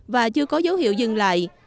và chưa có dấu hiệu dừng lại